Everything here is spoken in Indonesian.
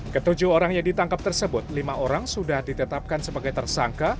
ketujuh orang yang ditangkap tersebut lima orang sudah ditetapkan sebagai tersangka